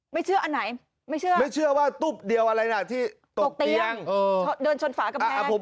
ไม่เชื่ออันไหนไม่เชื่อไม่เชื่อว่าตุ๊บเดียวอะไรนะที่ตกเตียงเดินชนฝากระแพรผม